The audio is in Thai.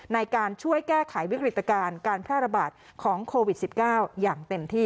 ในการช่วยแก้ไขวิกฤตการณ์การแพร่ระบาดของโควิด๑๙อย่างเต็มที่